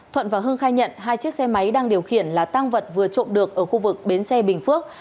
thuận và hưng khai nhận hai chiếc xe máy đang điều khiển là tăng vật vừa trộm được ở khu vực bến xe bình phước